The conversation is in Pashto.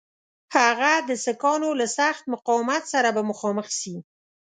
هغه د سیکهانو له سخت مقاومت سره به مخامخ سي.